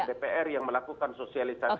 dpr yang melakukan sosialisasinya